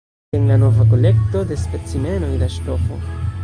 Jen la nova kolekto de specimenoj da ŝtofo.